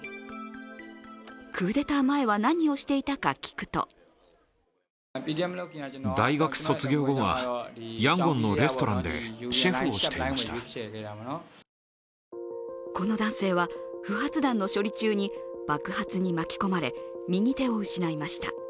クーデター前は何をしていたか聞くとこの男性は、不発弾の処理中に爆発に巻き込まれ右手を失いました。